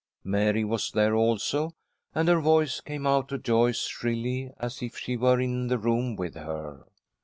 Mary was there also, and her voice came out to Joyce shrilly, as if she were in the room with her.